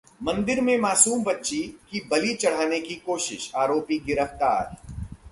मंदिर में मासूम बच्ची की बलि चढ़ाने की कोशिश, आरोपी गिरफ्तार